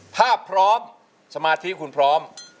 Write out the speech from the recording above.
ถ้าพร้อมสมาธิคุณพร้อม